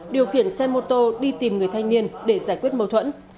điều khiển xe mô tô đi tìm người thanh niên để giải quyết mâu thuẫn